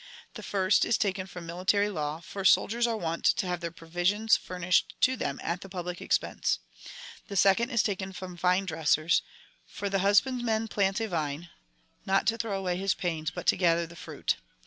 The first is taken from military law, for soldiers are wont to have their provisions furnished to them at the public expense. The second is taken from vine dressers, for the husbandman plants a vine — not to throw away his pains, but to gather the fruit.